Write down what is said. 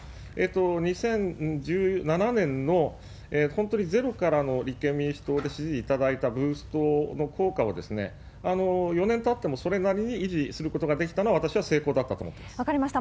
２０１７年の、本当にゼロからの立憲民主党を支持いただいたブーストの効果を４年たってもそれなりに維持することができたのは、私は成功だった分かりました。